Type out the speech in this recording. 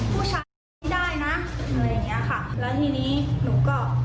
ผู้ชายไม่ได้นะอะไรอย่างเงี้ยค่ะแล้วทีนี้หนูก็